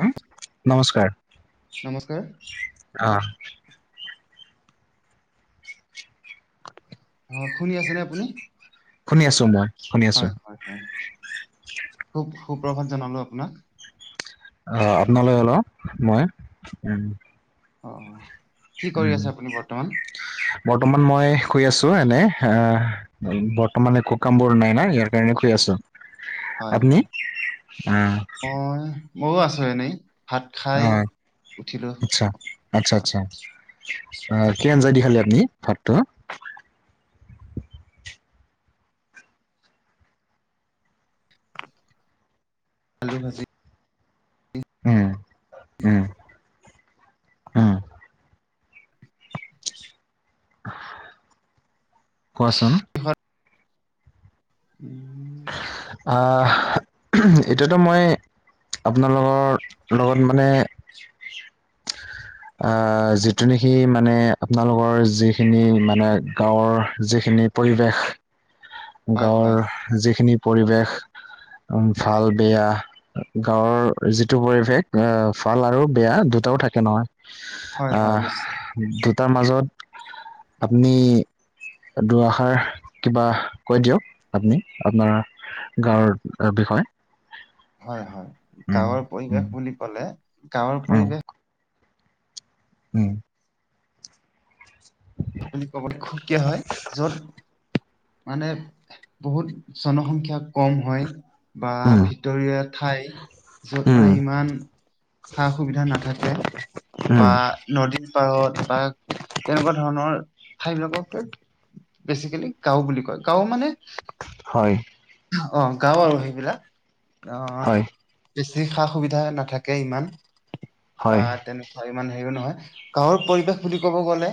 উম, নমস্কাৰ, নমস্কাৰ অ। অ', শুনি আছে নে আপুনি? শুনি আছো মই। শুনি আছো হয় হয়, খুব সুপ্ৰভাত জনালোঁ আপোনাক। অ, আপোনালৈ হলেও মই উ। অ', অ'। উম, বৰ্তমান মই শুই আছোঁ এনেই এ বৰ্তমান একো কামবোৰ নাই না, ইয়াৰ কাৰণে শুই আছোঁ। হয় আপনি, হয় উম। মইও আছোঁ এনেই। ভাত খাই অ', উঠিলো আচ্ছা আচ্ছা। হয়, চ্ছা, কি আঞ্জা দি খালে আপনি ভাতটো? আলু ভাজি। উম, উম, উম। কোৱাচোন। উম। আহ এতিয়াতো মই আপোনালোকৰ লগত মানে [unintelligible] আহ যিটো নেকি মানে, আপোনালোকৰ যিখিনি মানে, গাঁৱৰ যিখিনি পৰিৱেশ, হয় গাঁৱৰ হয় যিখিনি পৰিৱেশ উম ভাল বেয়া গাঁৱৰ যিটো পৰিৱেশ, অ, ভাল আৰু বেয়া দু টাও থাকে নহয়, হয় হয় আহ নিশ্চয় দু টাৰ মাজত আপুনি দুআষাৰ কিবা কৈ দিয়ক আপুনি, আপোনাৰ গাঁৱৰ বিষয়ে। হয় হয়, উম গাঁৱৰ উম পৰিৱেশ বুলি ক'লে গাঁৱৰ উম পৰিৱেশ উম। বুলি ক'বলৈ সুকীয়া হয়, য'ত মানে বহুত জনসংখ্যা কম হয়। বা উম ভিতৰীয়া ঠাই, য'ত মানে উম ইমান সা- সুবিধা নাথাকে উম, বা নদীৰ পাৰত বা তেনেকুৱা ধৰণৰ ঠাই বিলাকক বেচিকেলি গাওঁ বুলি কয় গাওঁ মানে হয় অ', গাওঁ আৰু সেইবিলাক অ' হয় বেছি সা -সুবিধা নাথাকে ইমান, বা হয় তেনেকুৱা ইমান হেৰিও নহয় গাঁৱৰ পৰিৱেশ বুলি ক'ব গ'লে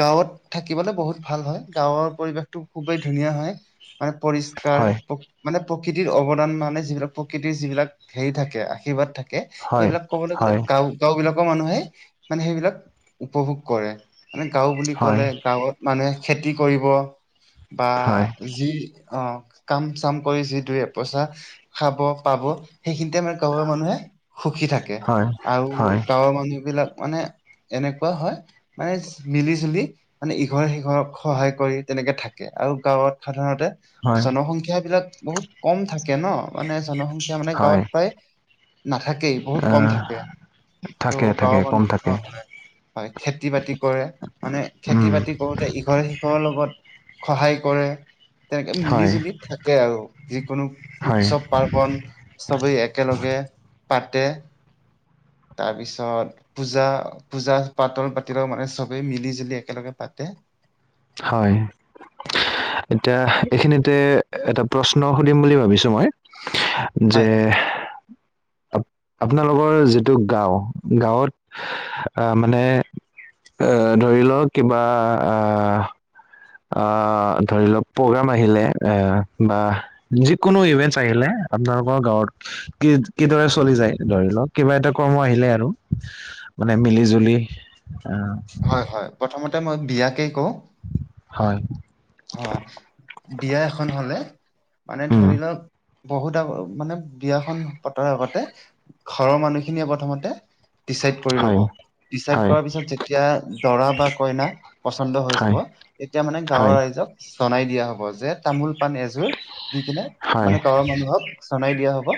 গাঁৱত থাকিবলৈ বহুত ভাল হয় গাঁৱৰ পৰিৱেশটো খুবেই ধুনীয়া হয় মানে পৰিচ ষ্কাৰ হয় মানে প্ৰকৃতিৰ অৱদান মানে যিবিলাক প্ৰকৃতিৰ যিবিলাক হেৰি থাকে আশীৰ্বাদ থাক কে হয় সেইবিলাক কবলে গ'লে হয় গাঁও গাও বিলাকৰ মানুহে মানে সেইবিলাক উপভোগ কৰে। মানে গাঁও বুলি হয় ক'লে গাঁৱত মানুহে খেতি কৰিব বা হয় যি অ', কাম চাম কৰি যি দুই পইচা খাব পাব সেইখিনিতে আমাৰ গাঁৱৰ মানুহে সুখী থাকে হয় আৰু হয় গাঁৱৰ মানুহ বিলাক মানে এনেকুৱা হয় মানে মিলি জুলি মানে ইঘৰ সিঘক সহায় কৰি তেনেকে থাকে। আৰু গাঁৱত সাধাৰণতে হয় জনসংখ্যা বিলাক বহুত কম থাকে ন মানে জনসংখ্যা মানে গাঁৱত হয় প্ৰায় নাথাকেই বহুত কম আহ, থাকে ত থাকে থাকে গাঁৱৰ কম মানুহ থাকে অ', হয়। হয় খেতি বাতি কৰে মানে খেতি উম, বাতি কৰোতে ইঘৰে সিঘৰ লগত সহায় কৰে তেনেকে মিলি হয় জুলি থাকে আৰু যিকোনো হয়, উৎসৱ পাৰ্বন চবেই একেলগে পাতে তাৰপিছত পূজা পূজা পাতল পাতিলেও মানে চবেই মিলি জুলি একেলগে পাতে হয় এতিয়া এইখিনিতে এটা প্ৰশ্ন সুধিম বুলি ভাবিছো মই যে হয় [unintelligible] আপ- আপোনালোকৰ যিটো গাঁও গাঁৱত অহ মানে এ ধৰি লওক কিবা আহ আ ধৰি লওক প্ৰগ্ৰাম আহিলে এ বা যিকোনো ইভেনচ্ আহিলে আপোনালোকৰ গাঁৱত কি কিদৰে চলি যায় ধৰি লওক কিবা এটা কৰ্ম আহিলে আৰু মানে মিলি জুলি আহ ত মই বিয়াকে কওঁ হয় হয় বিয়া এখন হলে মানে উম, ধৰি লওক বহুত আগৰ মানে বিয়াখন পতাৰ আগতে ঘৰৰ মানুহখিনিয়ে প্ৰথমতে ডিচাইড কৰি ল'ব হয় ডিচাইড হয় কৰাৰ পিছত যেতিয়া দৰা বা কইনা পচন্দ হৈ যাব হয় তেতিয়া মানে গাঁৱৰ হয় ৰাইজ জনাই দিয়া হব যে তামোল পাণ এযোৰ দি কিনে হয় মানে গাঁৱৰ মানুহক জনাই দিয়া হব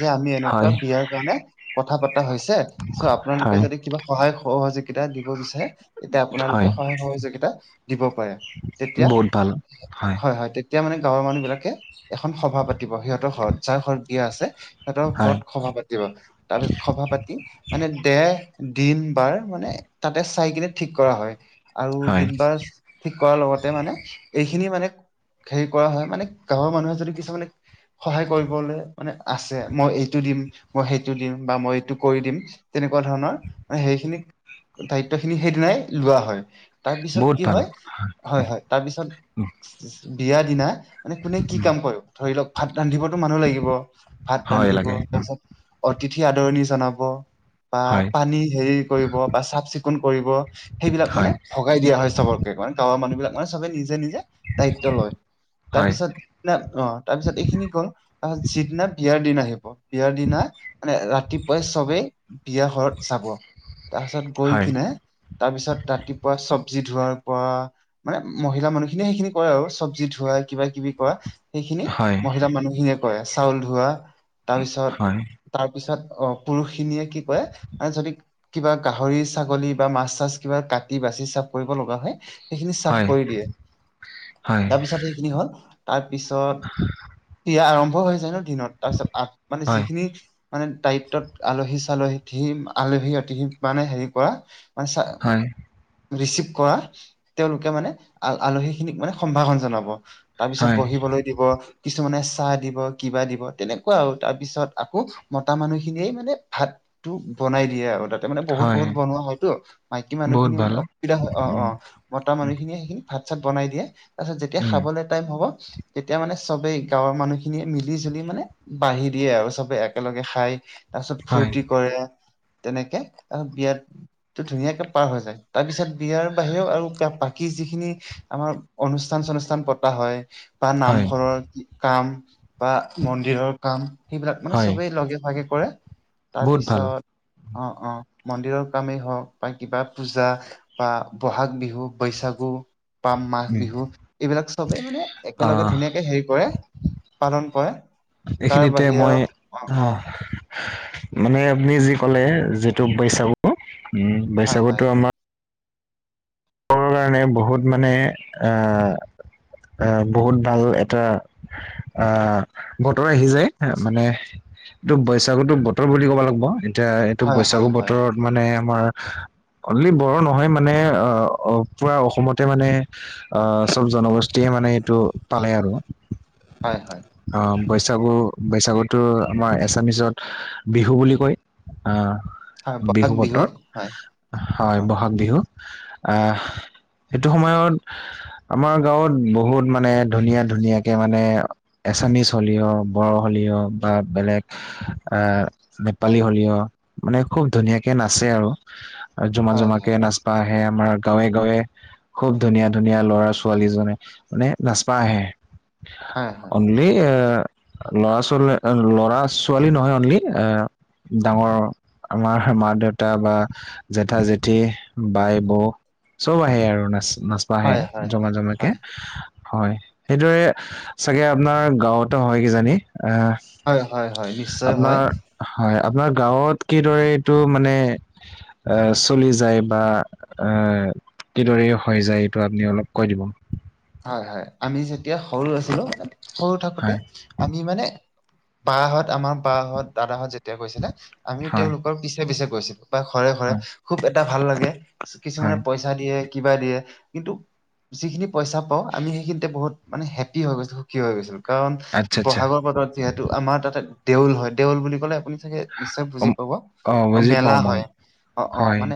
যে আমি হয় এনেকুৱা হয় বিয়াৰ কাৰণে কথা পাত হৈছে চ' আপোনালোকে হয় যদি কিবা সহায় সহযোগিতা দিব বিচাৰে এতিয়া আপোনালোকে হয় সহায় সহযোগিতা দিব পাৰে তেতিয়া বহুত ভাল হয় এতিয়া মানে গাঁৱৰ মানুহ বিলাকে এখন সভা পাতিব সিহঁতৰ ঘৰত যাৰ ঘৰত বিয়া আছে সিহতৰ হয় ঘৰত সভা পাতিব তাৰপিছত সভা পাতি মানে দেহ দিন বাৰ মানে তাতে চাই কিনে ঠিক কৰা হয় আৰু হয় দিন বাৰ ঠিক কৰাৰ লগতে মানে এইখিনি মানে হেৰি কৰা হয় মানে গাঁৱৰ মানুহে যদি কিছুমানে সহায় কৰিবলে মানে আছে মই এইটো দিম মই সেইটো দিম বা মই এইটো কৰি দিম তেনেকুৱা ধৰণৰ সেইখিনি দায়িত্ব খিনি সেইদিনাই লোৱা হয় তাৰপিছত বহুত কি ভাল হয় হয় হয় তাৰপিছত বিয়া দিনা মানে কোনে কি কাম কৰে ধৰি লওক ভাত ৰান্ধিবতো মানুহ লাগিব ভাত হয় ৰান্ধিব লাগে তাৰপিছত তিথি আদৰণি জনাব বা হয় পানী হেৰি কৰিব বা চাফ চিকুণ কৰিব সেইবিলাক মানে হয় ভগাই দিয়া হয় চবকে মানে গাঁৱৰ মানুহ বিলাক মানে চবে নিজে নিজে দায়িত্ব লয় হয় তাৰপিছত না অ তাৰপিছত এইখিনি গল তাপিছত যিদিনা বিয়াৰ দিন আহিব বিয়াৰ দিনা মানে ৰাতিপুৱাই চবেই বিয়া ঘৰত চাব তাৰপিছত গৈ হয় কিনে তাৰপিছত ৰাতিপুৱা চব চবজি ধোৱাৰ পৰা মানে মহিলা মানুহখিনিয়ে সেইখিনি কৰে আৰু চব্জি ধোৱা কিবা কিবি কৰা। সেইখিনি হয় মহিলা মানুহখিনিয়ে কৰে। চাউল ধোৱা তাৰ পিছত হয় তাৰ পিছত অ', পুৰুষ খিনিয়ে কি কৰে যদি কিবা গাহৰি ছাগলী বা মাছ চাছ কিবা কাটি বা চাফ কৰিব লগা হয় সেইখিনি চাফ হয় কৰি দিয়ে। হয় তাৰপিছত সেইখিনি হ'ল তাৰ পিছত বিয়া আৰম্ভও হৈ যায় ন দিনত তাৰপিছত আ মানে হয় যিখিনি মানে দায়িত্বত আলহী চালহী আলহী অতিহি মানে হেৰি কৰা মান হয় ৰিচিভ কৰা তেওঁলোকে মানে আ আলহীখিনিক মানে সম্ভাসন জনাব তাৰপিছত হয় বহিবলৈ দিব। কিছুমানে চাহ দিব কিবা দিব তেনেকুৱা আৰু তাৰ পিছত আকৌ মতা মানুহখিনিয়ে মানে ভাত তটো বনাই দিয়ে আৰু। তাতে মানে বহুত হয় বহুত বনোৱা হয়তটো মাইকী বহুত মানুহখিনি মানে ভাল অসুবিধা হয় অ' উম অ' মতা মানুহখিনিয়ে সেইখিনি ভাত চাত বনাই দিয়ে তাৰপিছত যেতিয়া উম খাবলৈ টাইম হ'ব তেতিয়া মানে চবেই গাঁৱৰ মানুহখিনিয়ে মিলি জুলি মানে বঢ়ি দিয়ে আৰু চবে একেলগে খাই। তাৰ পিছত হয় ফূৰ্তি কৰে। তেনেকে তাৰ বিয়াতো ধুনীয়াকে পাৰ হৈ যায় তাৰ পিছত বিয়াৰ বাহিৰেও আৰু বাকী যিখিনি আমাৰ অনুষ্ঠান চনুষ্ঠান পতা হয় বা হয় নামঘৰৰ কাম বা মন্দিৰৰ কাম সেইবিলাক মানে হয় চবেই লগে ভাগে কৰে। বহুত ভাল তাৰপিছত অ', অ' মন্দিৰৰ কামেই হওক বা কিবা পূজা বা বহাগ বিহু বৈশাগু। পাম মাঘ উম বিহু এইবিলাক চবে মানে একেলগে আহ ধুনীয়াকে হেৰি কৰে পালন কৰে। তাৰ এইখিনিতে বাহিৰেও মই অ অ মানে আপুনি যি কলে যিটো বৈচাগু। উম, হয় হয় বৈশাগুটো আমাৰ কাৰণে বহুত মানে এ আহ বহুত ভাল এটা আহ বতৰ আহি যায় মানে এইটো বৈশাাগতো বতৰ বুলি ক'ব লাগিব। এতিয়া এইটো হয় হয় বৈশাাগু হয় বতৰত মানে আমাৰ অনলি বড়ো নহয় মানে অ' অ', পুৰা অসমতে মানে আহ চব জনগোষ্ঠীয়ে মানে এইটো পালে আৰু। হয় হয় অ', বৈশাগু। বৈশাগুতো আমাৰ এছামিচত বিহু বুলি কয় আহ। হয় বহাগ বিহু বতৰ হয় হয় বহাগ বিহু আহ। সেইটো সময়ত আমাৰ গাঁৱত বহুত মানে ধুনীয়া ধুনীয়াকে মানে এছামিছ হলেও বড়ো হ'লেও বা বেলেগ এ নেপালী হলেও মানে খুব ধুনীয়াকে নাচে আৰু জোমা হয়, জোমাকে হয়, নাচপা আহে আমাৰ গাঁৱে গাঁৱে খুব ধুনীয়া ধুনীয়া ল'ৰা ছোৱালী জনে মানে নাচপা আহে। হয়, হয়, অনলি। ল'ৰা ছোৱালী ল'ৰা ছোৱালী নহয় অনলি এ ডাঙৰ আমাৰ মা দেউতা বা জেঠা জেঠি বাই বৌ চব আহে আৰু নাচ নাচব আহে হয়, জমা জমাকে হয়, হয় সেইদৰে চাগে আপোনাৰ গাঁৱতো হয় কিজানি এ হয়, হয়, হয় নিশ্চয় হয়, আপোনাৰ হয়। আপোনাৰ গাঁৱত কিদৰে এইটো মানে এ চলি যায় বা আহ কিদৰে হৈ যায় এইটো আপুনি অলপ কৈ দিব। হয় হয় আমি যেতিয়া সৰু আছিলো সৰু থাকোতে হয় আমি মানে বাহত আমাৰ বাাহঁত দাদাহত যেতিয়া গৈছিলে আমিও হয় তেওঁওলোকৰ পিছে পিছে গৈছিলো। বা ঘৰে ঘৰে হয় খুব এটা ভাল লাগে কিছুমানে হয় পইচা দিয়ে। কিবা দিয়ে কিন্তু যিখিনি পইচা পাওঁমি সেইখিনিতে বহু মান হেপী হৈ গৈচো সখী হৈ গৈছিলো কাৰণ আচ্ছা আচ্ছা ব'হাগৰ বাটত যিহেতু আমাৰ তাতে দেউল হয় দেউল বুলি ক'লে আপুনি, টাকে নিশ্চয় বুজি অম, পাব অ বুজি বেলা পাওঁ মই হয় অ-অ হয় মানে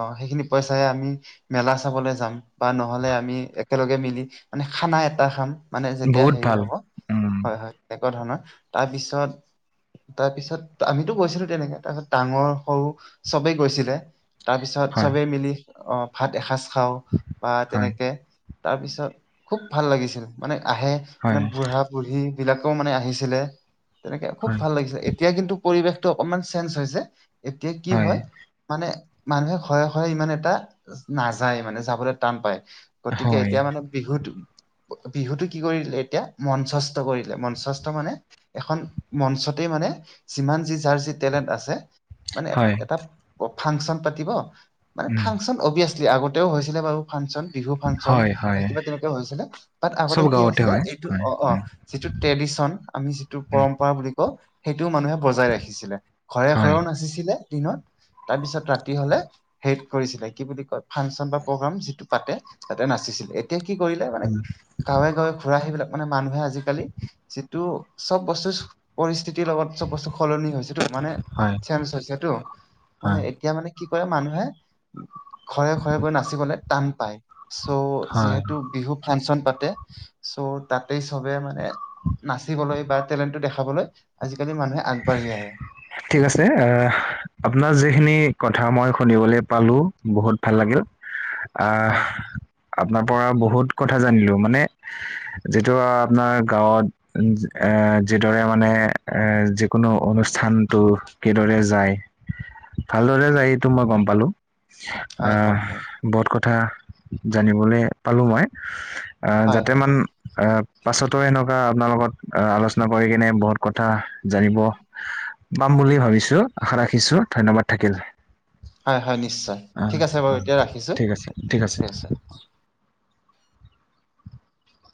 অ' সেইখিনি পইচাই আমি মেলা চাবলৈ যাম বা নহলে আমি একেলগে মিলি মানে খানা এটা খাম মানে যেতিয়া বহুত হেৰি ভাল হ'ব উম হয়-হয়। তেনেকুৱা ধৰণৰ তাৰ পিছত তাৰপিছত আমিতো গৈছিলো তেনেকে তাৰ পিছত ডাঙৰ সৰু চবেই গৈছিলে তাৰ পিছত হয় চবেই মিলি আহ ভাত এসাঁজ খাওঁ বা হয় তেনেকে, তাৰপিছত খুব ভাল লাগিছিল মানে আহে মানে হয় বুঢ়া বুঢ়ি বিলাকও মানে আহিছিলে তেনেকে খুব হয় ভাল লাগিছিল এতিয়া কিন্তু পৰিৱেশতটো অকমান চেঞ্জ হৈছে এতিয়া কি হয় মানে। মানুহে ঘৰে ঘৰে ইমান এটা নাযায় মানে যাবলৈ টান পায়। গতিকে হয় এতিয়া মানে বিহুত। বিহুতটো কি কৰিলে এতিয়া মঞ্চস্থ কৰিলে মঞ্চস্থ মানে এখন মঞ্চত মানে যিমান যি যাৰ যি তেলেট আছে। মানে হয় এটা ফাংচন পাতিব মানে উম ফাংচন অভিয়াচ আগতেও হৈছিলে বাৰু ফাংচন বিহু ফাংচন। হয় বা হয় কিবা তেনেকা হৈছিলে বাত চব আগতে কি গাঁৱতে আছিলে হয় এইটো হয় অ অ উম যিটো ট্ৰেডিশন আমি যিটো, উম পৰম্পৰা বুলি ক সেইটোও মানুহে বজাই ৰাখিছিলে ঘৰে হয় ঘৰেও নাচিছিলে। ত তাৰপিছত ৰাতি হলে হে কৰিছিলে কি বুলি কয় ফাংচন বা প্ৰগ্ৰ যিটো। পাতে তাতে নাচিছিলে এতিয়া কি কৰিলে মানে উম গাঁৱে গাঁৱে ঘুৰা আহে ইবিলাক, মানে মানুহে আজিকালি যিটো চব বস্তু পৰিস্থিতি। লগত চব বস্তু সলনি হৈছেটো মানে হয় চেজ হৈছেটো মানে হয় এতিয়া মানে কি। মানুহে ঘৰে ঘৰে গৈ নাচিবলে টান পায় চ' হয় যিহেতু বিহু ফাংচন পাতে চ' তাতেই চবে মানে নাচিবলে বা টেলেণ্টটো দেখাবলৈ আজি। ঠিক আছে আহ আপোনাৰ যিখিনি কথা মই শুনিবলৈ পালো বহুত ভাল লাগিল অহ, হয় আপোনাৰ পৰা বহুত কথা জানিলো মানে যিটো আপোনাৰ গাঁৱত। যি দৰে মানে এ কোনো অনুষ্ঠানতটো কিদৰে যায় ভালদৰে যায় এইটো মই গম পালো হয় আহ হয় হয় হয় বহুত কথা জানিবলৈ পালো মই হয় যাতে হয় মান পাছতো এনেকুৱা আপোনালোকত আহ আলোচনা কৰি কেনে বহুত কথা জানিব। পাম বুলি ভাবিছো আশা ৰাখিছো ধন্যবাদ থাকিল। হয় হয় নিশ্চয় ঠিক আছে বাৰু আহ এতিয়া ৰাখিছো ঠিক আছে ঠিক আছে।